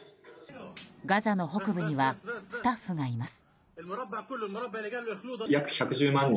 ガザの北部にはスタッフがいます。